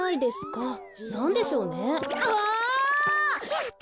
やった。